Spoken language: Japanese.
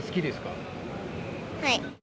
はい。